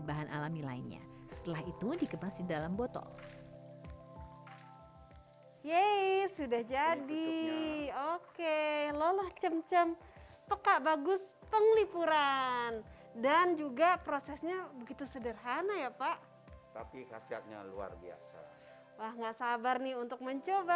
wah gak sabar nih untuk mencoba loloh cemcem